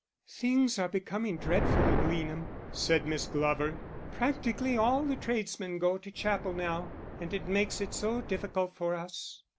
"Things are becoming dreadful in Leanham," said Miss Glover. "Practically all the tradesmen go to chapel now, and it makes it so difficult for us."